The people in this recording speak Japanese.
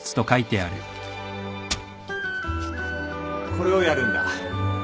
これをやるんだ。